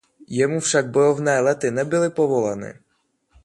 Jemu však bojové lety nebyly povoleny.